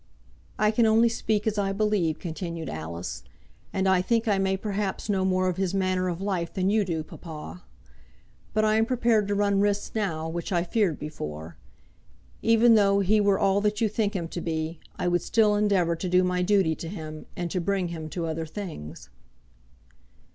"I can only speak as I believe," continued Alice. "And I think I may perhaps know more of his manner of life than you do, papa. But I am prepared to run risks now which I feared before. Even though he were all that you think him to be, I would still endeavour to do my duty to him, and to bring him to other things."